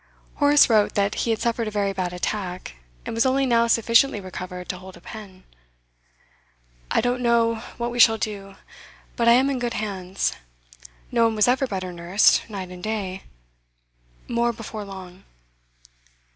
Horace wrote that he had suffered a very bad attack, and was only now sufficiently recovered to hold a pen. 'I don't know what we shall do, but I am in good hands. No one was ever better nursed, night and day More before long.